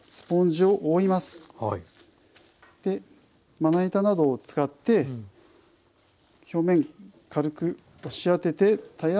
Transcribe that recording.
まな板などを使って表面軽く押し当てて平らにしていきます。